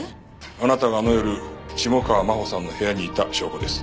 あなたがあの夜下川真帆さんの部屋にいた証拠です。